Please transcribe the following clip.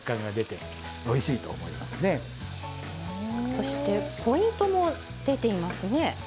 そしてポイントも出ていますね。